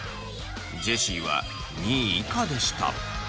ジェシーは２位以下でした。